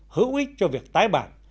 hữu ích cho việc tái bản